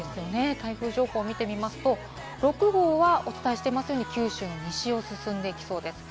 台風情報を見てみますと、６号はお伝えしていますように、九州の西を進んでいきそうです。